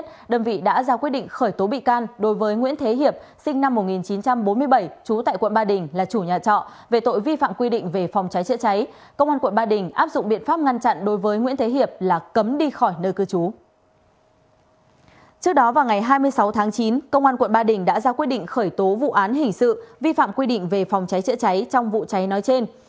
trước đó vào ngày hai mươi sáu tháng chín công an quận ba đình đã ra quyết định khởi tố vụ án hình sự vi phạm quy định về phòng cháy chữa cháy trong vụ cháy nói trên